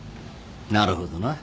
なるほどな。